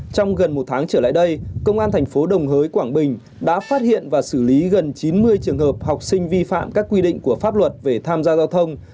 trong gần một tháng trở lại đây công an thành phố đồng hới quảng bình đã phát hiện và xử lý gần chín mươi trường hợp học sinh vi phạm các quy định của pháp luật về tham gia giao thông